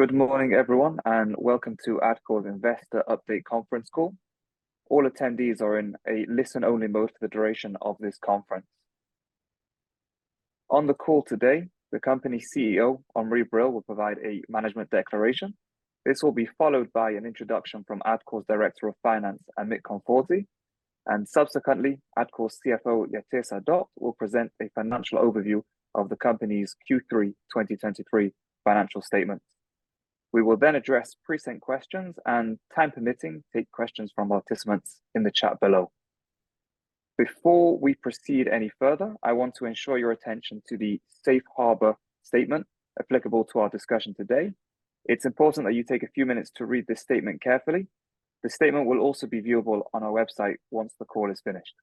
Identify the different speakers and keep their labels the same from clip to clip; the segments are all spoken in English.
Speaker 1: Good morning, everyone, and welcome to Adcore's Investor Update Conference Call. All attendees are in a listen-only mode for the duration of this conference. On the call today, the company CEO, Omri Brill, will provide a management declaration. This will be followed by an introduction from Adcore's Director of Finance, Amit Konforty, and subsequently, Adcore's CFO, Yatir Sadot, will present a financial overview of the company's third quarter 2023 financial statement. We will then address pre-submitted questions, and time permitting, take questions from participants in the chat below. Before we proceed any further, I want to ensure your attention to the safe harbor statement applicable to our discussion today. It's important that you take a few minutes to read this statement carefully. The statement will also be viewable on our website once the call is finished.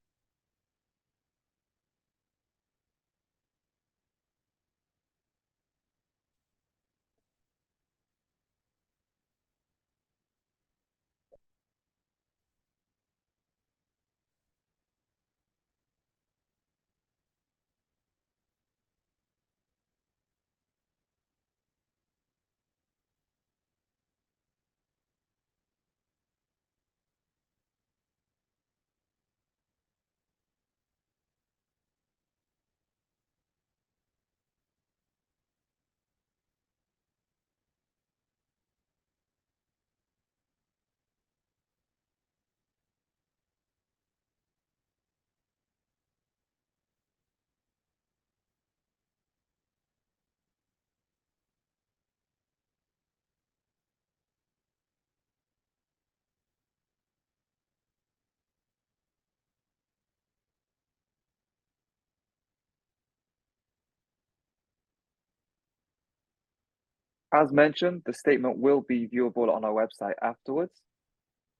Speaker 1: As mentioned, the statement will be viewable on our website afterwards,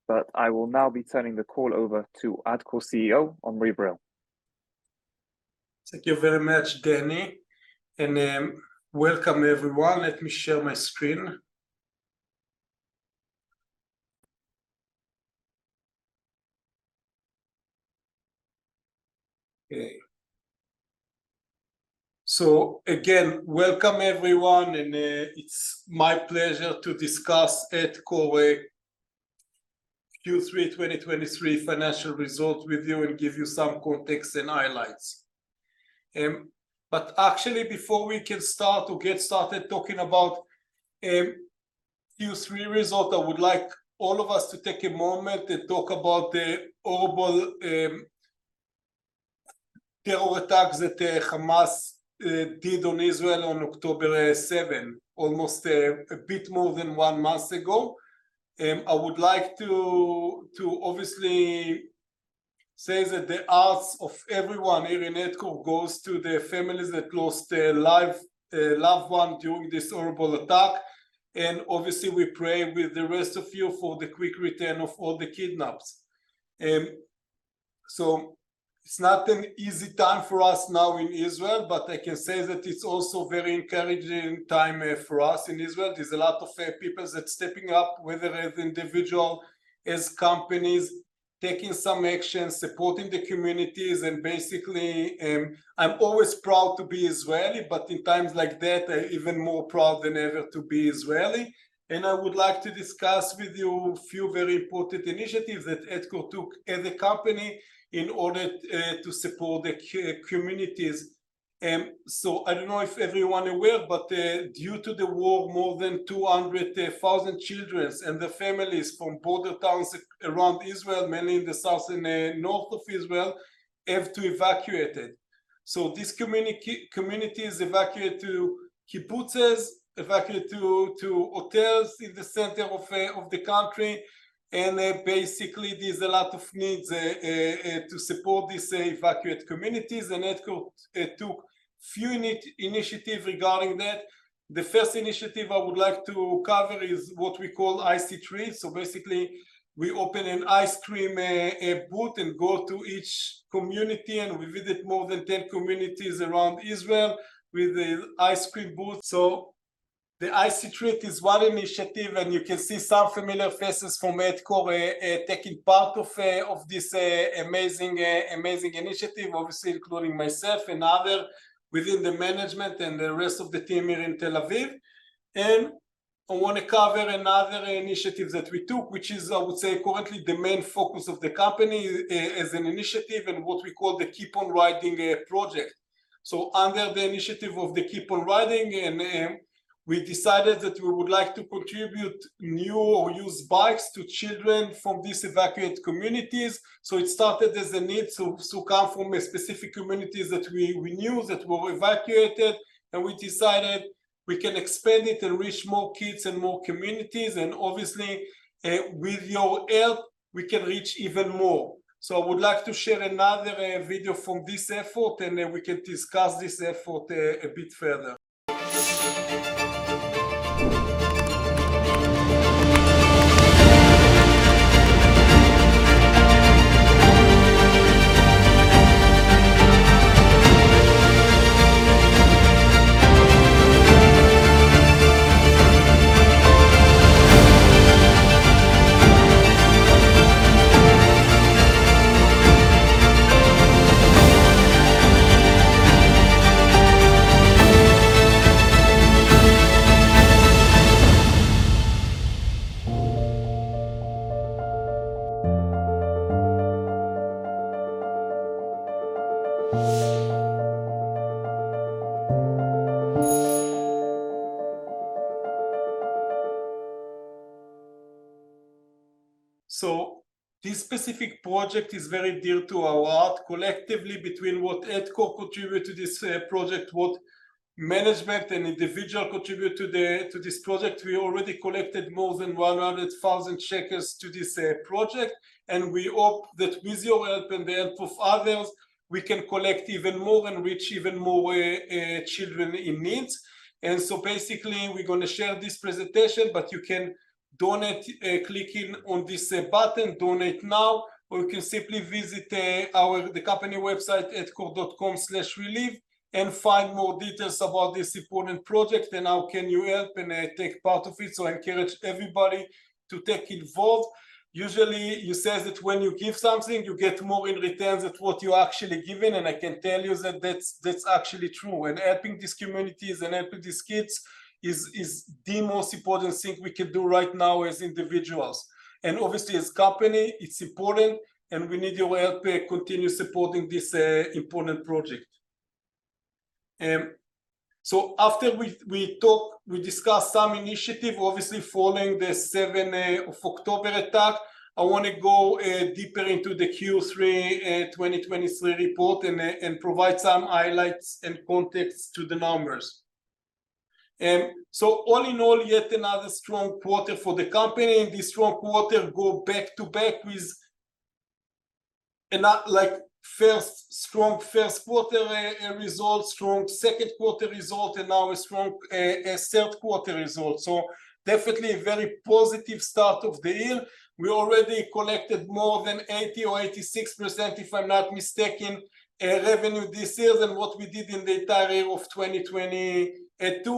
Speaker 1: but I will now be turning the call over to Adcore CEO, Omri Brill.
Speaker 2: Thank you very much, Danny, and welcome everyone. Let me share my screen. Okay. So again, welcome everyone, and it's my pleasure to discuss Adcore third quarter 2023 financial results with you and give you some context and highlights. But actually, before we can start or get started talking about third quarter results, I would like all of us to take a moment and talk about the horrible terror attacks that Hamas did on Israel on October 7th, almost a bit more than one month ago. I would like to obviously say that the hearts of everyone here in Adcore goes to the families that lost their life, a loved one during this horrible attack, and obviously, we pray with the rest of you for the quick return of all the kidnaps. So it's not an easy time for us now in Israel, but I can say that it's also very encouraging time for us in Israel. There's a lot of peoples that stepping up, whether as individual, as companies, taking some action, supporting the communities, and basically, I'm always proud to be Israeli, but in times like that, I'm even more proud than ever to be Israeli. I would like to discuss with you a few very important initiatives that Adcore took as a company in order to support the communities. So I don't know if everyone is aware, but due to the war, more than 200,000 childrens and the families from border towns around Israel, many in the south and the north of Israel, have to evacuated. So these communities evacuate to kibbutzim, to hotels in the center of the country, and basically, there's a lot of needs to support these evacuated communities, and Adcore took a few initiatives regarding that. The first initiative I would like to cover is what we call Icy Treat. So basically, we open an ice cream booth and go to each community, and we visit more than 10 communities around Israel with the ice cream booth. So the Icy Treat is one initiative, and you can see some familiar faces from Adcore taking part of this amazing initiative, obviously, including myself and others within the management and the rest of the team here in Tel Aviv. I wanna cover another initiative that we took, which is, I would say, currently the main focus of the company, as an initiative, and what we call the Keep on Riding project. Under the initiative of the Keep on Riding, we decided that we would like to contribute new or used bikes to children from these evacuated communities. It started as a need to come from specific communities that we knew were evacuated, and we decided we can expand it and reach more kids and more communities, and obviously, with your help, we can reach even more. I would like to share another video from this effort, and then we can discuss this effort a bit further. ... This specific project is very dear to our heart. Collectively, between what Adcore contribute to this project, what management and individual contribute to this project, we already collected more than 100,000 shekels to this project, and we hope that with your help and the help of others, we can collect even more and reach even more children in needs. So basically, we're gonna share this presentation, but you can donate clicking on this button, Donate Now, or you can simply visit our the company website, adcore.com/relief, and find more details about this important project and how can you help and take part of it. I encourage everybody to take involved. Usually, you say that when you give something, you get more in return than what you're actually giving, and I can tell you that that's actually true. Helping these communities and helping these kids is the most important thing we can do right now as individuals, and obviously as company, it's important, and we need your help to continue supporting this important project. So after we talk, we discuss some initiative, obviously following the seventh of October attack, I wanna go deeper into the third quarter 2023 report and provide some highlights and context to the numbers. So all in all, yet another strong quarter for the company, and this strong quarter go back to back with and not, like, first, strong first quarter result, strong second quarter result, and now a strong third quarter result. So definitely a very positive start of the year. We already collected more than 80% or 86%, if I'm not mistaken, revenue this year than what we did in the entire year of 2022.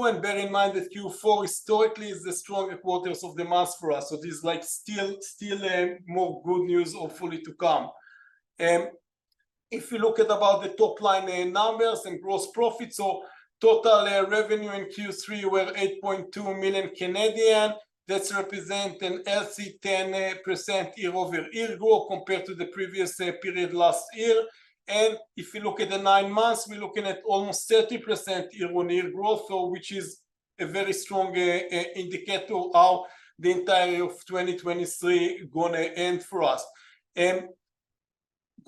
Speaker 2: And bear in mind that fourth quarter historically is the strongest quarters of the month for us, so there's, like, still, still, more good news hopefully to come. If you look at about the top-line numbers and gross profits, so total revenue in third quarter were 8.2 million. That's represent a healthy 10% year-over-year growth compared to the previous period last year. And if you look at the nine months, we're looking at almost 30% year-over-year growth, so which is a very strong indicator of how the entire year of 2023 gonna end for us.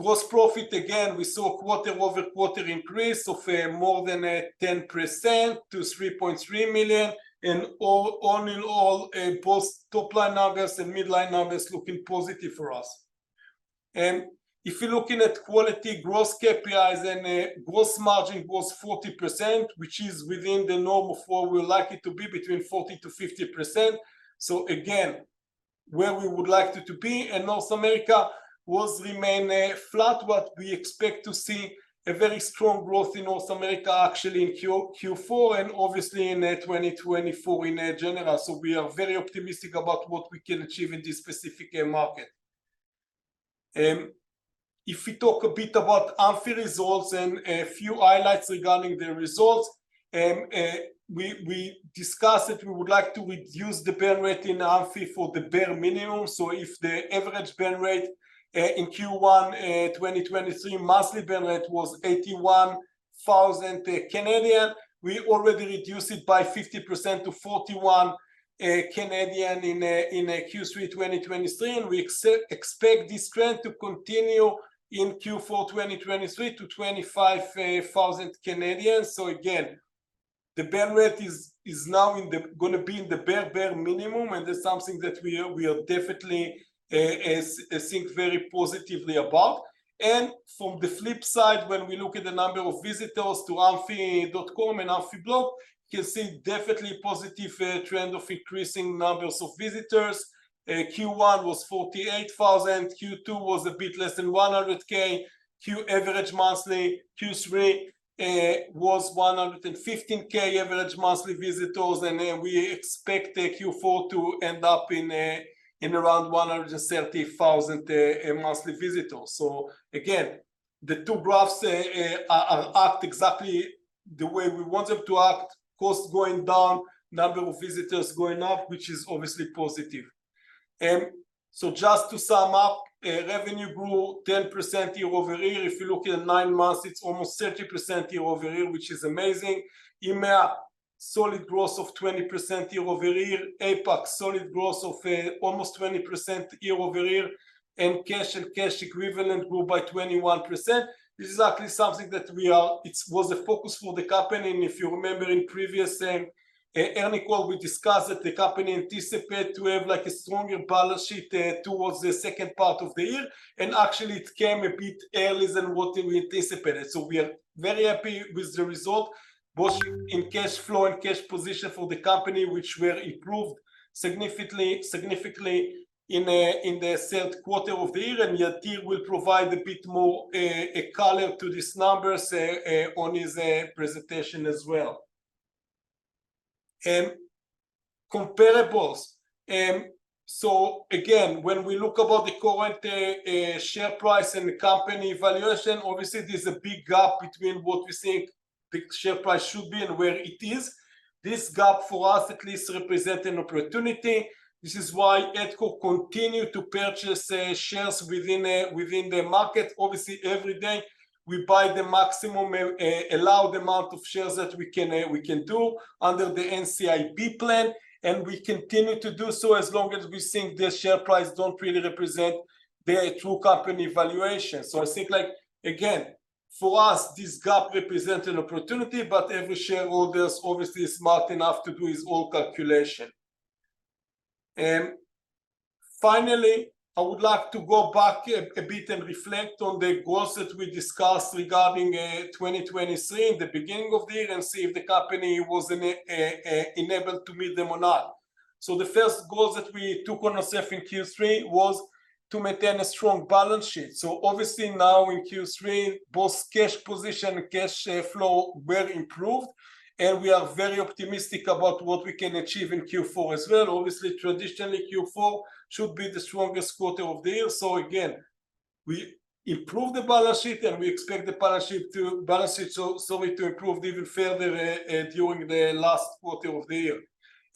Speaker 2: Gross profit, again, we saw quarter-over-quarter increase of more than 10% to 3.3 million, and all in all, both top-line numbers and mid-line numbers looking positive for us. And if you're looking at quality gross KPIs and gross margin was 40%, which is within the normal, for we would like it to be between 40%-50%. So again, where we would like it to be, and North America was remain flat, but we expect to see a very strong growth in North America, actually in fourth quarter, and obviously in 2024 in general. So we are very optimistic about what we can achieve in this specific market. If we talk a bit about Amphy results and a few highlights regarding the results, we discussed that we would like to reduce the burn rate in Amphy for the bare minimum. So if the average burn rate in Q1 2023, monthly burn rate was 81,000, we already reduced it by 50% to 41,000 in third quarter 2023, and we expect this trend to continue in fourth quarter 2023 to 25,000. So again, the burn rate is now gonna be in the bare minimum, and that's something that we are definitely think very positively about. And from the flip side, when we look at the number of visitors to Amphy.com and Amphy blog, you can see definitely positive trend of increasing numbers of visitors. Q1 was 48,000, Q2 was a bit less than 100,000. third quarter average monthly was 115,000 average monthly visitors, and we expect fourth quarter to end up in around 130,000 monthly visitors. So again, the two graphs are acting exactly the way we want them to act. Cost going down, number of visitors going up, which is obviously positive. So just to sum up, revenue grew 10% year-over-year. If you're looking at 9 months, it's almost 30% year-over-year, which is amazing. Email, solid growth of 20% year-over-year. APAC, solid growth of almost 20% year-over-year, and cash and cash equivalents grew by 21%. This is actually something that it was a focus for the company, and if you remember in previous earnings call, we discussed that the company anticipate to have, like, a stronger balance sheet towards the second part of the year, and actually it came a bit earlier than what we anticipated. So we are very happy with the result, both in cash flow and cash position for the company, which were improved significantly in the third quarter of the year, and Yatir will provide a bit more color to these numbers on his presentation as well... and comparables. And so again, when we look about the current share price and the company valuation, obviously there's a big gap between what we think the share price should be and where it is. This gap, for us at least, represent an opportunity. This is why Adcore continue to purchase shares within the market. Obviously, every day we buy the maximum allowed amount of shares that we can do under the NCIB plan, and we continue to do so as long as we think the share price don't really represent the true company valuation. So I think, like, again, for us, this gap represents an opportunity, but every shareholder obviously is smart enough to do his own calculation. And finally, I would like to go back a bit and reflect on the goals that we discussed regarding 2023 in the beginning of the year, and see if the company was enabled to meet them or not. So the first goals that we took on ourselves in third quarter was to maintain a strong balance sheet. So obviously now in third quarter, both cash position and cash flow were improved, and we are very optimistic about what we can achieve in fourth quarter as well. Obviously, traditionally, fourth quarter should be the strongest quarter of the year. So again, we improved the balance sheet, and we expect the balance sheet to improve even further during the last quarter of the year.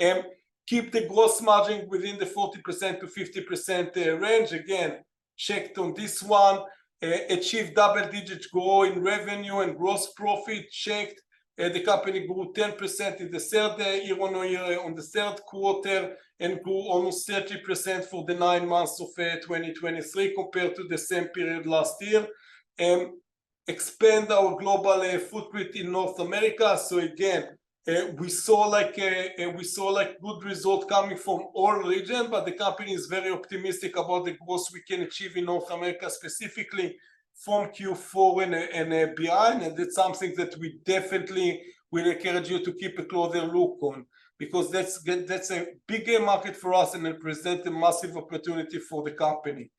Speaker 2: And keep the gross margin within the 40%-50% range. Again, checked on this one. Achieve double-digit growth in revenue and gross profit, checked. The company grew 10% in the third year on a yearly, on the third quarter, and grew almost 30% for the nine months of 2023, compared to the same period last year. And expand our global footprint in North America. So again, we saw like, we saw like good results coming from all regions, but the company is very optimistic about the growth we can achieve in North America, specifically from fourth quarter and beyond. And that's something that we definitely will encourage you to keep a closer look on, because that's a bigger market for us, and it present a massive opportunity for the company.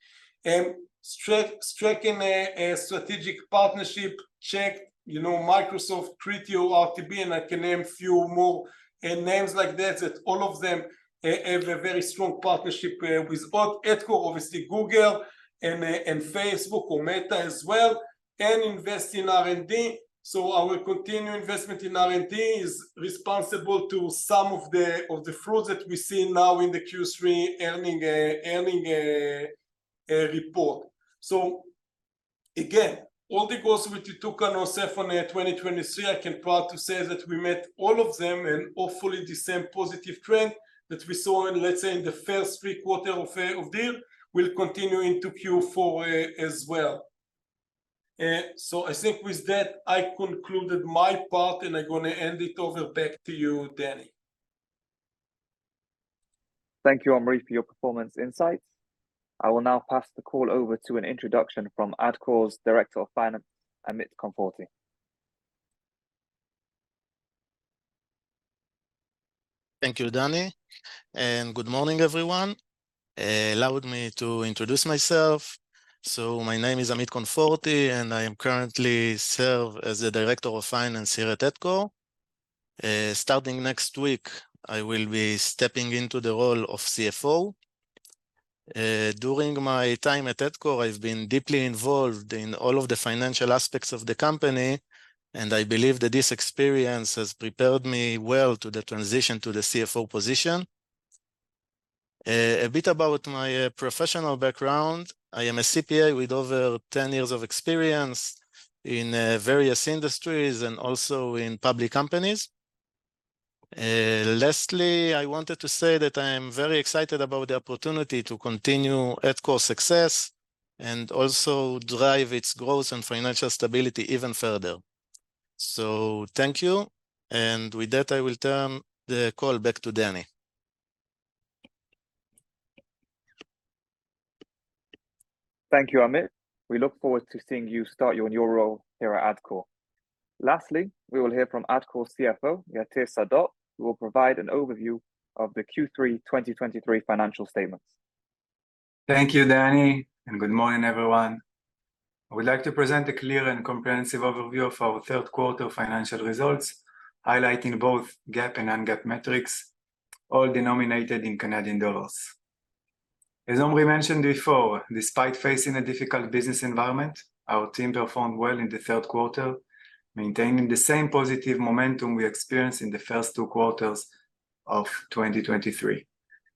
Speaker 2: And striking a strategic partnership, checked. You know, Microsoft, Criteo, RTB, and I can name a few more, names like that, that all of them, have a very strong partnership, with both Adcore, obviously Google, and, and Facebook or Meta as well, and invest in R&D. So our continued investment in R&D is responsible to some of the, of the fruits that we see now in the third quarter earnings report. So again, all the goals which we took on ourselves in 2023, I am proud to say that we met all of them, and hopefully the same positive trend that we saw in, let's say, in the first three quarters of the year will continue into fourth quarter, as well. So I think with that, I concluded my part, and I'm gonna hand it over back to you, Danny.
Speaker 1: Thank you, Omri, for your performance insights. I will now pass the call over to an introduction from Adcore's Director of Finance, Amit Konforty.
Speaker 3: Thank you, Danny, and good morning, everyone. Allow me to introduce myself. So my name is Amit Konforty, and I am currently serve as the Director of Finance here at Adcore. Starting next week, I will be stepping into the role of CFO. During my time at Adcore, I've been deeply involved in all of the financial aspects of the company, and I believe that this experience has prepared me well to the transition to the CFO position. A bit about my professional background. I am a CPA with over 10 years of experience in various industries and also in public companies. Lastly, I wanted to say that I am very excited about the opportunity to continue Adcore's success, and also drive its growth and financial stability even further. So thank you, and with that, I will turn the call back to Danny.
Speaker 1: Thank you, Amit. We look forward to seeing you start in your role here at Adcore. Lastly, we will hear from Adcore's CFO, Yatir Sadot, who will provide an overview of the third quarter 2023 financial statements.
Speaker 4: Thank you, Danny, and good morning, everyone. I would like to present a clear and comprehensive overview of our third quarter financial results, highlighting both GAAP and Non-GAAP metrics, all denominated in Canadian dollars. As Omri mentioned before, despite facing a difficult business environment, our team performed well in the third quarter, maintaining the same positive momentum we experienced in the first two quarters of 2023.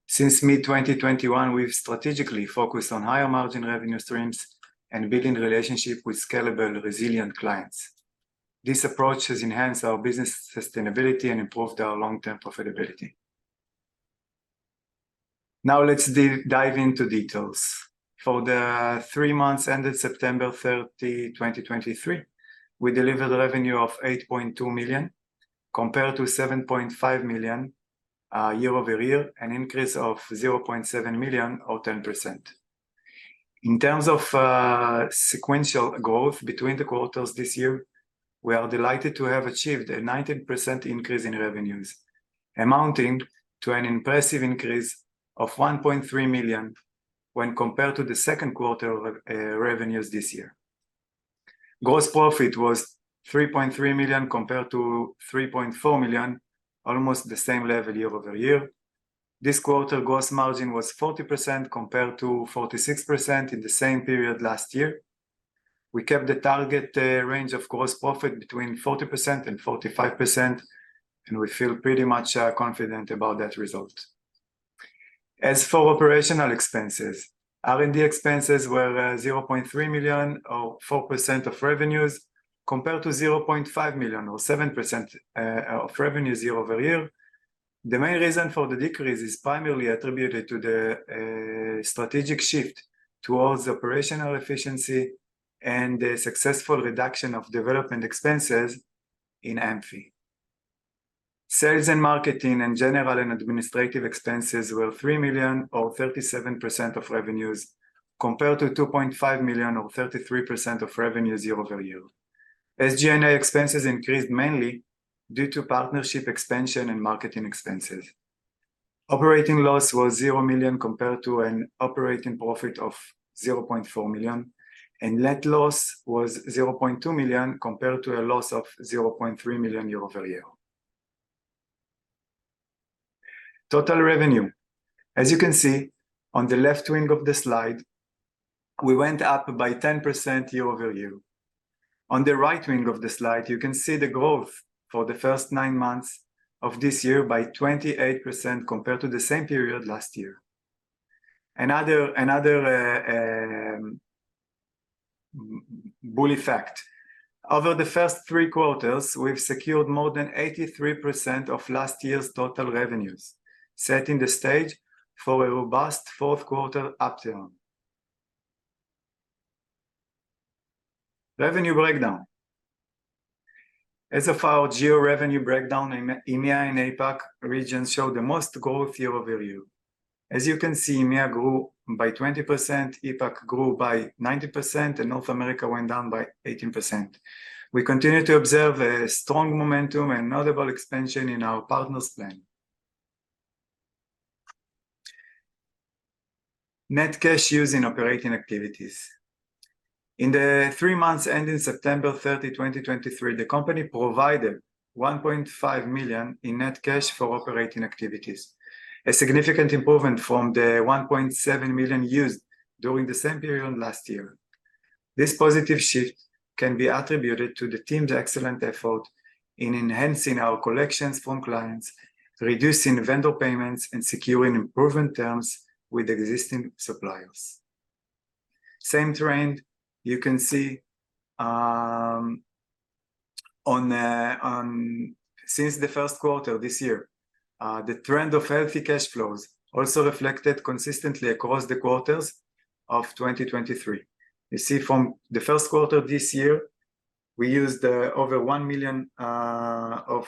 Speaker 4: Since mid-2021, we've strategically focused on higher margin revenue streams and building relationships with scalable and resilient clients. This approach has enhanced our business sustainability and improved our long-term profitability. Now let's dive into details. For the three months ended September 30th, 2023, we delivered a revenue of 8.2 million, compared to 7.5 million year-over-year, an increase of 0.7 million, or 10%. In terms of sequential growth between the quarters this year, we are delighted to have achieved a 19% increase in revenues, amounting to an impressive increase of 1.3 million when compared to the second quarter of revenues this year. Gross profit was 3.3 million compared to 3.4 million, almost the same level year-over-year. This quarter, gross margin was 40% compared to 46% in the same period last year. We kept the target range of gross profit between 40% and 45%, and we feel pretty much confident about that result. As for operational expenses, R&D expenses were 0.3 million, or 4% of revenues, compared to 0.5 million, or 7% of revenues year-over-year. The main reason for the decrease is primarily attributed to the strategic shift towards operational efficiency and the successful reduction of development expenses in Amphy. Sales and marketing, and general and administrative expenses were 3 million, or 37% of revenues, compared to 2.5 million, or 33% of revenues year-over-year. SG&A expenses increased mainly due to partnership expansion and marketing expenses. Operating loss was 0 million compared to an operating profit of 0.4 million, and net loss was 0.2 million, compared to a loss of 0.3 million year-over-year. Total revenue. As you can see, on the left wing of the slide, we went up by 10% year-over-year. On the right wing of the slide, you can see the growth for the first nine months of this year by 28% compared to the same period last year. Another bully fact: over the first three quarters, we've secured more than 83% of last year's total revenues, setting the stage for a robust fourth quarter upturn. Revenue breakdown. As of our geo revenue breakdown, EMEA and APAC regions show the most growth year-over-year. As you can see, EMEA grew by 20%, APAC grew by 90%, and North America went down by 18%. We continue to observe a strong momentum and notable expansion in our partners plan. Net cash used in operating activities. In the three months ending September 30, 2023, the company provided 1.5 million in net cash for operating activities, a significant improvement from the 1.7 million used during the same period last year. This positive shift can be attributed to the team's excellent effort in enhancing our collections from clients, reducing vendor payments, and securing improved terms with existing suppliers. Same trend you can see since the first quarter this year. The trend of healthy cash flows also reflected consistently across the quarters of 2023. You see from the first quarter of this year, we used over 1 million of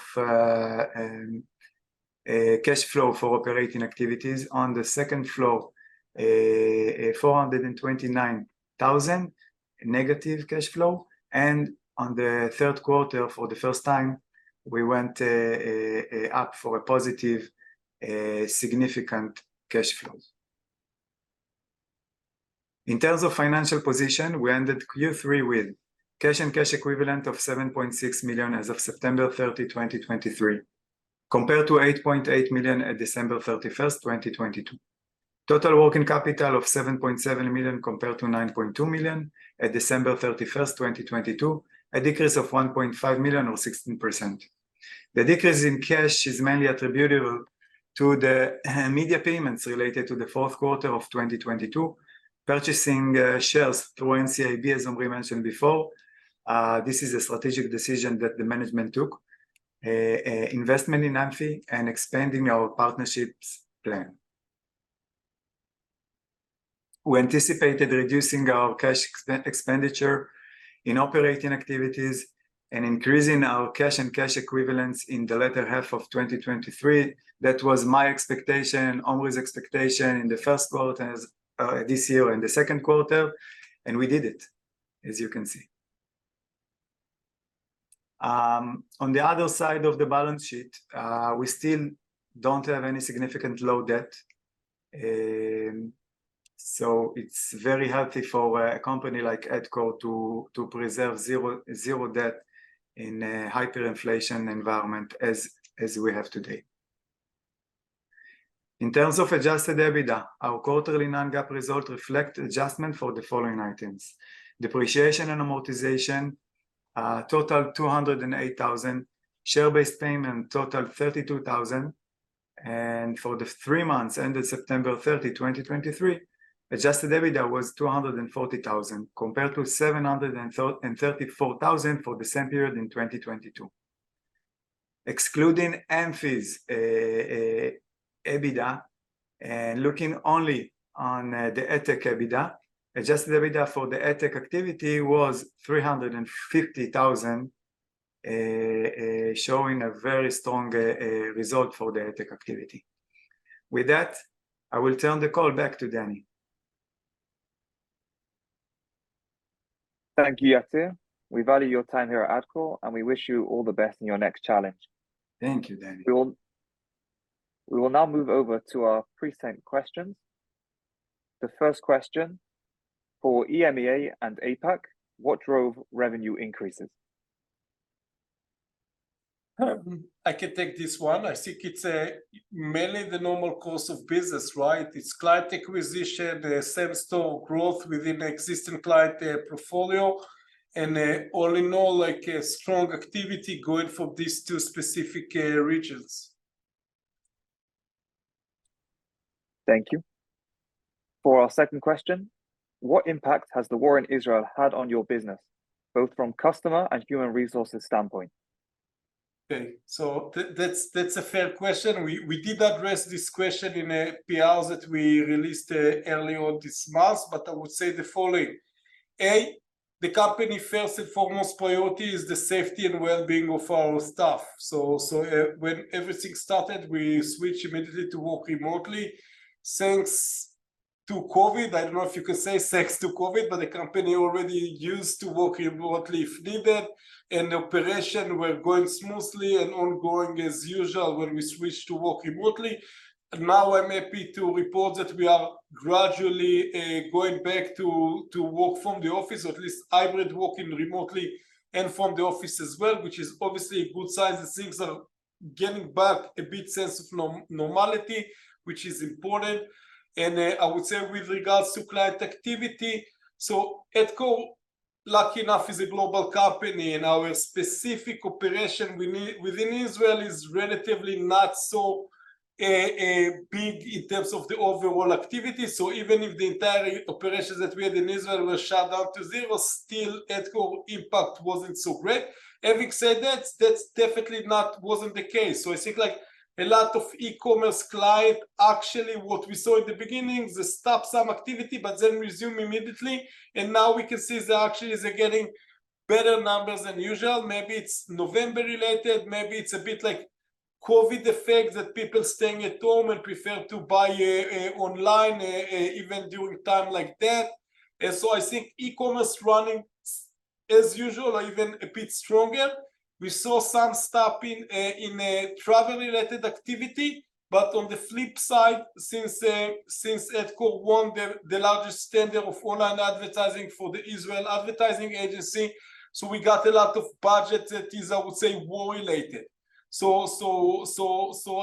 Speaker 4: cash flow for operating activities. On the second quarter, 429 thousand negative cash flow, and on the third quarter, for the first time, we went up for a positive significant cash flow. In terms of financial position, we ended third quarter with cash and cash equivalents of 7.6 million as of September thirtieth, 2023, compared to 8.8 million at December thirty-first, 2022. Total working capital of 7.7 million, compared to 9.2 million at December thirty-first, 2022, a decrease of 1.5 million, or 16%. The decrease in cash is mainly attributable to the media payments related to the fourth quarter of 2022, purchasing shares through NCIB, as Omri mentioned before. This is a strategic decision that the management took, investment in Amphy, and expanding our partnerships plan. We anticipated reducing our cash expenditure in operating activities and increasing our cash and cash equivalents in the latter half of 2023. That was my expectation, Omri's expectation in the first quarter as this year and the second quarter, and we did it, as you can see. On the other side of the balance sheet, we still don't have any significant low debt. So it's very healthy for a company like Adcore to preserve zero debt in a hyperinflation environment, as we have today. In terms of Adjusted EBITDA, our quarterly Non-GAAP results reflect adjustment for the following items: depreciation and amortization, total 208,000, share-based payment, total 32,000, and for the three months ended September thirtieth, 2023, Adjusted EBITDA was 240,000, compared to 734,000 for the same period in 2022. Excluding Amphy's EBITDA, and looking only on the Adcore EBITDA, adjusted EBITDA for the Adcore activity was 350,000, showing a very strong result for the Adcore activity. With that, I will turn the call back to Danny.
Speaker 1: Thank you, Yatir. We value your time here at Adcore, and we wish you all the best in your next challenge.
Speaker 4: Thank you, Danny....
Speaker 1: We will now move over to our pre-sent questions. The first question, for EMEA and APAC, what drove revenue increases?
Speaker 2: I can take this one. I think it's mainly the normal course of business, right? It's client acquisition, the same store growth within the existing client portfolio, and all in all, like, a strong activity going for these two specific regions.
Speaker 1: Thank you. For our second question, what impact has the war in Israel had on your business, both from customer and human resources standpoint?
Speaker 2: Okay, so that's, that's a fair question. We did address this question in a PR that we released earlier on this month, but I would say the following. The company's first and foremost priority is the safety and wellbeing of our staff. So, when everything started, we switched immediately to work remotely. Thanks to COVID, I don't know if you can say thanks to COVID, but the company already used to work remotely if needed, and operations were going smoothly and ongoing as usual when we switched to work remotely. And now I'm happy to report that we are gradually going back to work from the office, at least hybrid, working remotely and from the office as well, which is obviously a good sign that things are getting back a bit to a sense of normality, which is important. I would say with regards to client activity, so Adcore, lucky enough, is a global company, and our specific operation within Israel is relatively not so big in terms of the overall activity. So even if the entire operations that we had in Israel were shut down to zero, still Adcore impact wasn't so great. Having said that, that's definitely not wasn't the case. So I think, like, a lot of e-commerce client, actually what we saw at the beginning, they stop some activity but then resume immediately, and now we can see they actually, they're getting better numbers than usual. Maybe it's November related, maybe it's a bit, like, COVID effect, that people staying at home and prefer to buy online, even during time like that. So I think e-commerce running as usual, or even a bit stronger. We saw some stopping in travel-related activity, but on the flip side, since since Etko won the largest tender of online advertising for the Israel Advertising Agency, so we got a lot of budget that is, I would say, war-related. So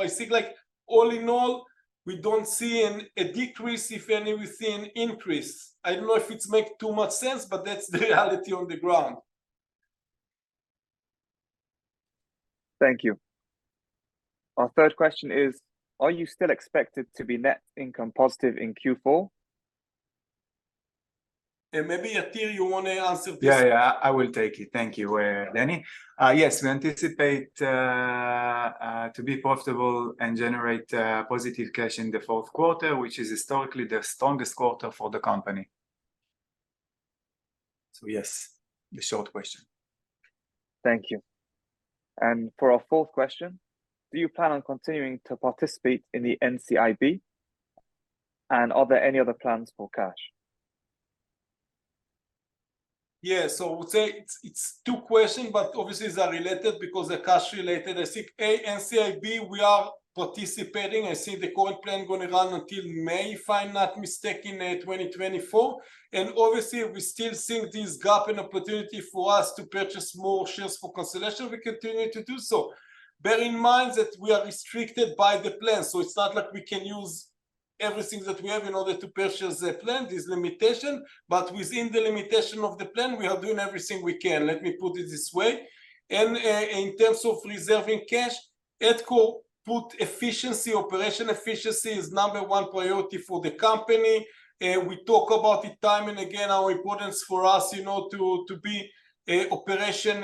Speaker 2: I think, like, all in all, we don't see a decrease. If anything, we see an increase. I don't know if it's make too much sense, but that's the reality on the ground.
Speaker 1: Thank you. Our third question is, are you still expected to be net income positive in fourth quarter?
Speaker 2: Maybe, Yatir, you want to answer this?
Speaker 4: Yeah, yeah, I will take it. Thank you, Danny. Yes, we anticipate to be profitable and generate positive cash in the fourth quarter, which is historically the strongest quarter for the company. So, yes, the short question.
Speaker 1: Thank you. And for our fourth question, do you plan on continuing to participate in the NCIB, and are there any other plans for cash?
Speaker 2: Yeah. So I would say it's, it's two questions, but obviously they are related because they're cash related. I think, A, NCIB, we are participating. I see the current plan gonna run until May, if I'm not mistaken, 2024. And obviously, if we still seeing this gap and opportunity for us to purchase more shares for consideration, we continue to do so. Bear in mind that we are restricted by the plan, so it's not like we can use everything that we have in order to purchase the plan, there's limitation. But within the limitation of the plan, we are doing everything we can, let me put it this way. And, in terms of reserving cash, efficiency, operational efficiency is number one priority for the company. We talk about it time and again, how importance for us, you know, to, to be a operation,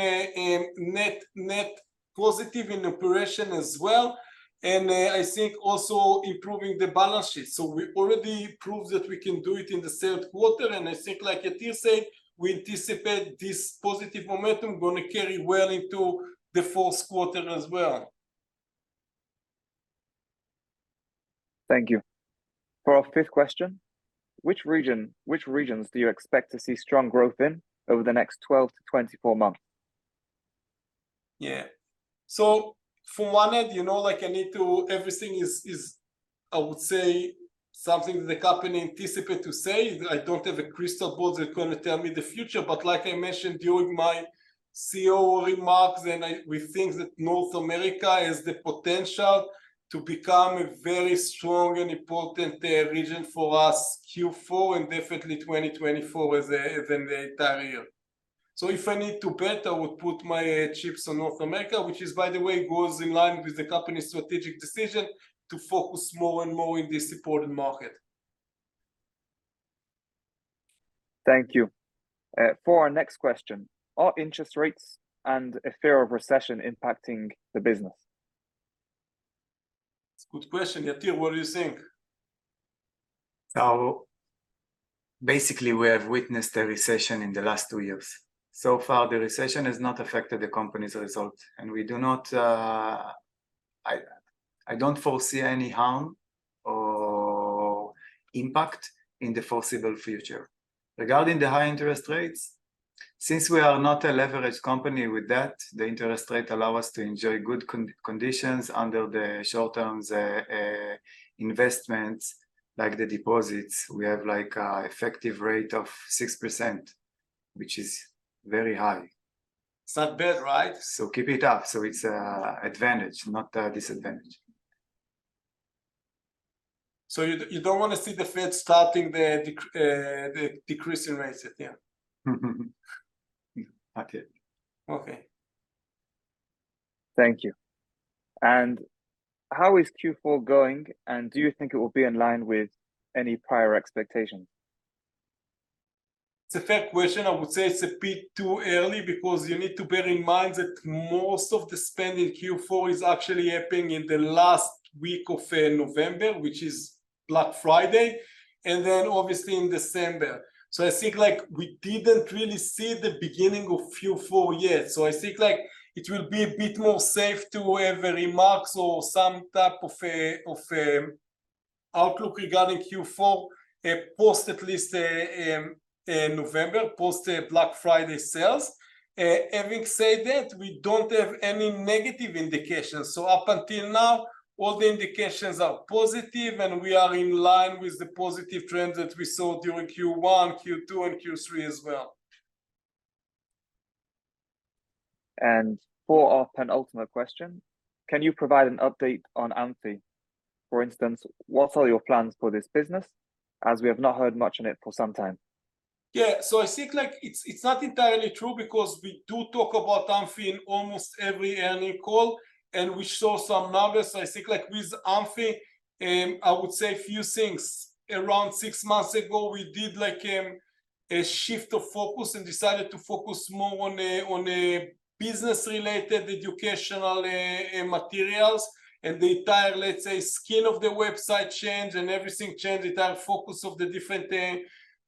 Speaker 2: net, net positive in operation as well, and, I think also improving the balance sheet. So we already proved that we can do it in the third quarter, and I think, like Yatir said, we anticipate this positive momentum gonna carry well into the fourth quarter as well.
Speaker 1: Thank you. For our fifth question, which region, which regions do you expect to see strong growth in over the next 12-24-months?
Speaker 2: Yeah. So from one end, you know, like I need to... Everything is, I would say, something the company anticipate to say. I don't have a crystal ball that gonna tell me the future. But like I mentioned during my CEO remarks, and I, we think that North America has the potential to become a very strong and important region for us, fourth quarter and definitely 2024 as the, than the entire year. So if I need to bet, I would put my chips on North America, which is, by the way, goes in line with the company's strategic decision to focus more and more in this important market.
Speaker 1: Thank you. For our next question, are interest rates and a fear of recession impacting the business?
Speaker 2: Good question. Yatir, what do you think?
Speaker 4: So basically, we have witnessed a recession in the last two years. So far, the recession has not affected the company's result, and I don't foresee any harm or impact in the foreseeable future. Regarding the high interest rates, since we are not a leveraged company with that, the interest rate allow us to enjoy good conditions under the short-term investments, like the deposits. We have like a effective rate of 6%, which is very high.
Speaker 2: It's not bad, right?
Speaker 4: Keep it up. It's an advantage, not a disadvantage.
Speaker 2: So you don't wanna see the Fed starting the decreasing rates, yeah?
Speaker 4: Mm-mm, not yet.
Speaker 2: Okay.
Speaker 1: Thank you. How is fourth quarter going, and do you think it will be in line with any prior expectations?
Speaker 2: It's a fair question. I would say it's a bit too early, because you need to bear in mind that most of the spend in fourth quarter is actually happening in the last week of November, which is Black Friday, and then obviously in December. So I think, like, we didn't really see the beginning of fourth quarter yet, so I think, like, it will be a bit more safe to have a remarks or some type of a outlook regarding fourth quarter, post at least November, post the Black Friday sales. Having said that, we don't have any negative indications, so up until now, all the indications are positive, and we are in line with the positive trend that we saw during Q1, Q2, and third quarter as well.
Speaker 1: And for our penultimate question, can you provide an update on Amphy? For instance, what are your plans for this business, as we have not heard much on it for some time?
Speaker 2: Yeah, so I think, like, it's, it's not entirely true, because we do talk about Amphy in almost every annual call, and we saw some numbers. I think, like, with Amphy, I would say a few things. Around six months ago, we did, like, a shift of focus and decided to focus more on a, on a business-related educational materials, and the entire, let's say, skin of the website changed, and everything changed, the entire focus of the different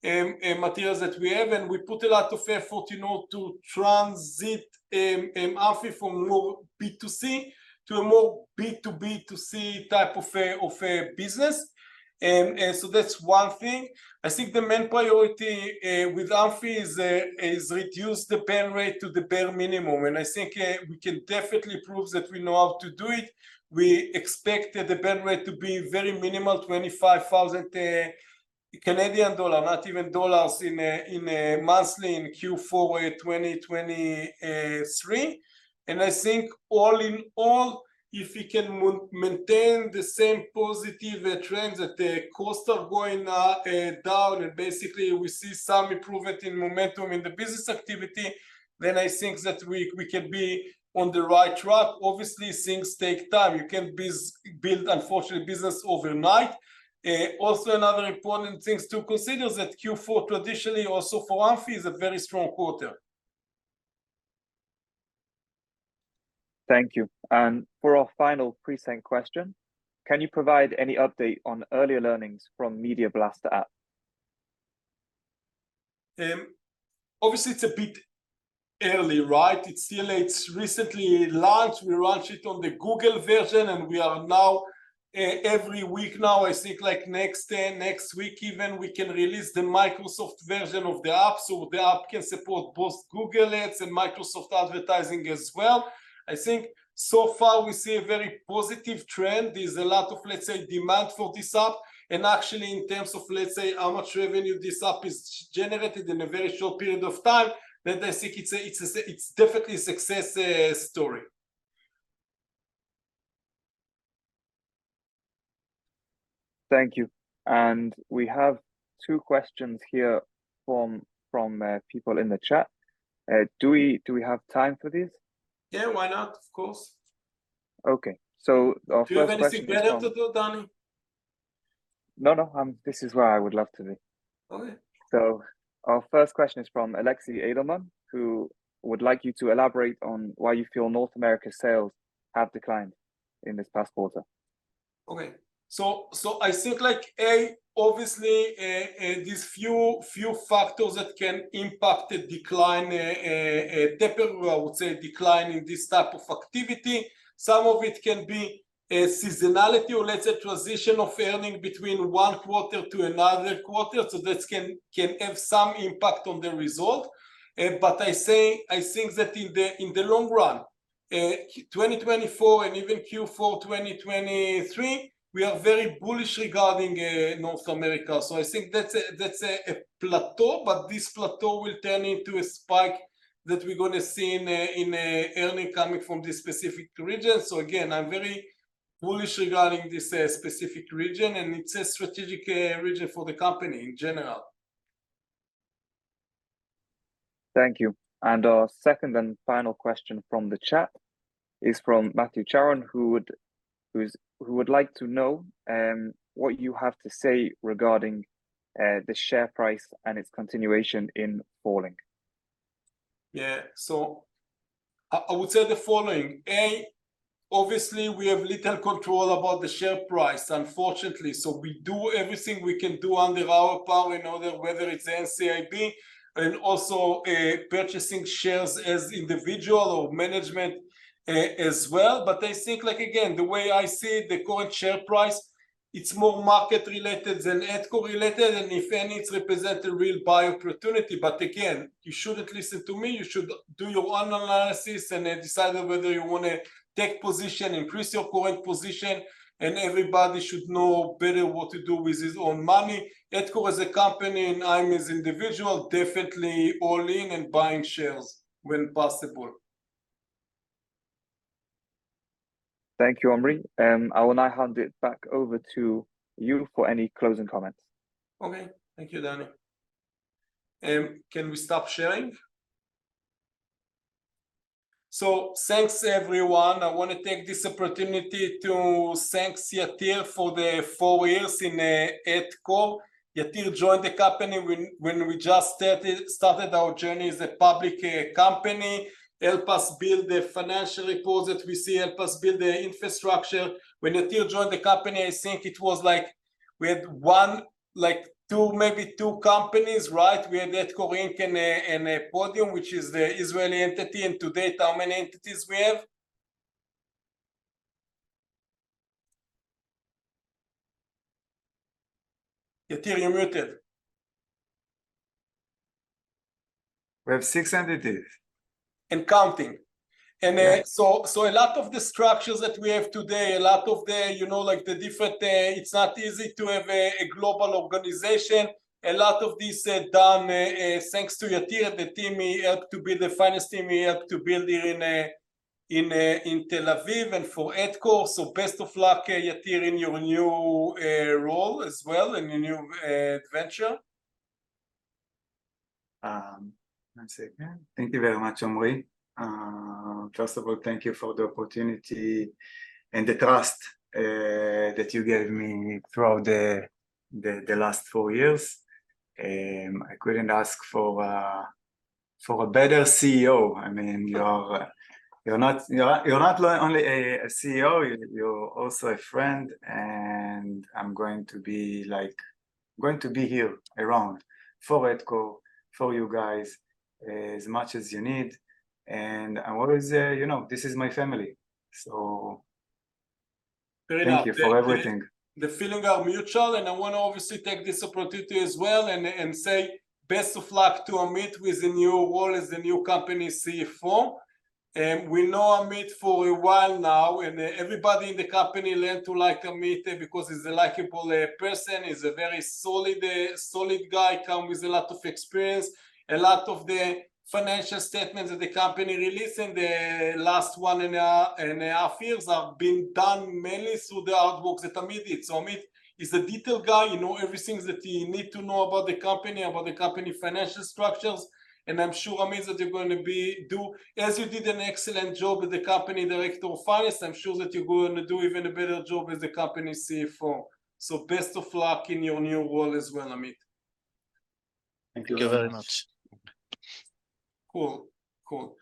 Speaker 2: materials that we have. And we put a lot of effort, you know, to transit Amphy from more B2C to a more B2B2C type of business, and so that's one thing. I think the main priority with Amphy is is reduce the burn rate to the bare minimum, and I think we can definitely prove that we know how to do it. We expect the burn rate to be very minimal, 25,000 Canadian dollar, not even dollars, in a monthly in fourth quarter 2023. And I think all in all, if we can maintain the same positive trends, that the costs are going down, and basically we see some improvement in momentum in the business activity, then I think that we can be on the right track. Obviously, things take time. You can't build, unfortunately, business overnight. Also another important things to consider is that fourth quarter traditionally also for Amphy is a very strong quarter.
Speaker 1: Thank you. And for our final present question, can you provide any update on earlier learnings from MediaBlast app?
Speaker 2: Obviously it's a bit early, right? It's still, it's recently launched. We launched it on the Google version, and we are now, every week now, I think, like, next day, next week even, we can release the Microsoft version of the app, so the app can support both Google Ads and Microsoft Advertising as well. I think so far we see a very positive trend. There's a lot of, let's say, demand for this app, and actually in terms of, let's say, how much revenue this app has generated in a very short period of time, then I think it's a, it's a, it's definitely a success story.
Speaker 1: Thank you. We have two questions here from people in the chat. Do we have time for this?
Speaker 2: Yeah, why not? Of course.
Speaker 1: Okay, so our first question is from-
Speaker 2: Do you have anything better to do, Danny?
Speaker 1: No, no, this is where I would love to be.
Speaker 2: Okay.
Speaker 1: Our first question is from Alexei Edelman, who would like you to elaborate on why you feel North America sales have declined in this past quarter.
Speaker 2: Okay. So I think, like, A, obviously, these few factors that can impact the decline. Typically I would say a decline in this type of activity, some of it can be seasonality or, let's say, transition of earning between one quarter to another quarter, so that can have some impact on the result. But I say, I think that in the long run, Q1 2024 and even fourth quarter 2023, we are very bullish regarding North America. So I think that's a plateau, but this plateau will turn into a spike that we're gonna see in a earning coming from this specific region. So again, I'm very bullish regarding this specific region, and it's a strategic region for the company in general.
Speaker 1: Thank you. Our second and final question from the chat is from Matthew Charon, who would like to know what you have to say regarding the share price and its continuation in falling.
Speaker 2: Yeah. So I would say the following: A, obviously, we have little control about the share price, unfortunately, so we do everything we can do under our power in order, whether it's NCIB and also, purchasing shares as individual or management, as well. But I think, like, again, the way I see the current share price. It's more market related than Adcore related, and if any, it represent a real buy opportunity. But again, you shouldn't listen to me. You should do your own analysis, and then decide whether you wanna take position, increase your current position, and everybody should know better what to do with his own money. Adcore is a company, and I'm as individual, definitely all in and buying shares when possible.
Speaker 1: Thank you, Omri. I will now hand it back over to you for any closing comments.
Speaker 2: Okay. Thank you, Danny. Can we stop sharing? So, thanks, everyone. I wanna take this opportunity to thank Yatir for the four years in Adcore. Yatir joined the company when we just started our journey as a public company, help us build the financial reports that we see, help us build the infrastructure. When Yatir joined the company, I think it was like we had one... like, two, maybe two companies, right? We had Adcore Inc. and Podium, which is the Israeli entity, and today, how many entities we have? Yatir, you muted.
Speaker 4: We have six entities.
Speaker 2: And counting.
Speaker 4: Yeah.
Speaker 2: And, a lot of the structures that we have today, a lot of the, you know, like, the different... It's not easy to have a global organization. A lot of this is done, thanks to Yatir and the team. He helped to build the finest team. He helped to build it in Tel Aviv and for Adcore. So best of luck, Yatir, in your new role as well, in your new venture.
Speaker 4: One second. Thank you very much, Omri. First of all, thank you for the opportunity and the trust that you gave me throughout the last four years. I couldn't ask for a better CEO. I mean, you're not only a CEO, you're also a friend, and I'm going to be, like... I'm going to be here around for Adcore, for you guys, as much as you need, and I'm always, you know, this is my family, so-
Speaker 2: Great. Uh-
Speaker 4: Thank you for everything.
Speaker 2: The feelings are mutual, and I wanna obviously take this opportunity as well, and say best of luck to Amit with the new role as the new company CFO. We know Amit for a while now, and everybody in the company learn to like Amit, because he's a likable person. He's a very solid solid guy, come with a lot of experience. A lot of the financial statements that the company released, and the last one in our fields, have been done mainly through the hard work that Amit did. So Amit is a detail guy. He knows everything that he needs to know about the company, about the company's financial structures, and I'm sure, Amit, that you're going to do as you did an excellent job as the company Director of Finance. I'm sure that you're going to do even a better job as the company CFO. So best of luck in your new role as well, Amit.
Speaker 4: Thank you.
Speaker 1: Thank you very much.
Speaker 2: Cool, cool.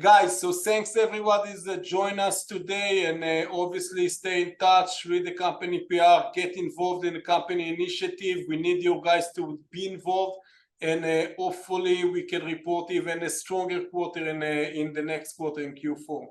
Speaker 2: Guys, so thanks everybody that join us today, and obviously, stay in touch with the company PR, get involved in the company initiative. We need you guys to be involved, and hopefully, we can report even a stronger quarter in the next quarter, in fourth quarter.